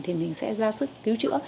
thì mình sẽ ra sức cứu chữa